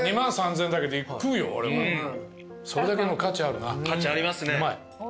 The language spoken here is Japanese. それだけの価値あるなうまい。